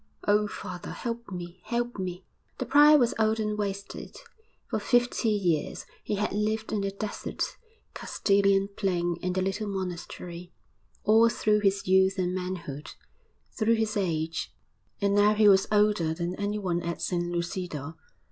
'Oh, father, help me! help me!' The prior was old and wasted; for fifty years he had lived in the desert Castilian plain in the little monastery all through his youth and manhood, through his age; and now he was older than anyone at San Lucido.